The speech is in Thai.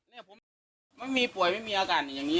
มันไม่มีป่วยไม่มีอาการอย่างนี้